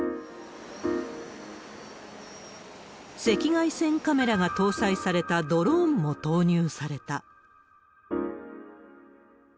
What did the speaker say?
赤外線カメラが搭載されたドローンも投入された。